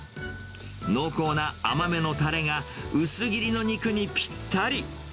濃厚な甘めのたれが、薄切りの肉にぴったり。